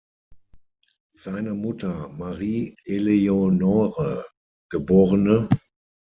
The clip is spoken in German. Seine Mutter Marie Eleonore, geb.